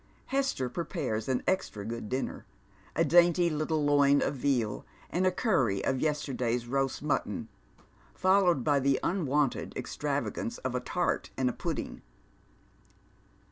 Hester prepares an extra good dinner, a dainty little loin of veal, and a currie of yesterday's roast mutton, followed by the unwonted extravagance of a tart and a pudding.